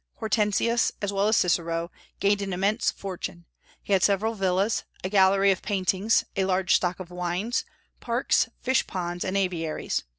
Hortensius, as well as Cicero, gained an immense fortune; he had several villas, a gallery of paintings, a large stock of wines, parks, fish ponds, and aviaries.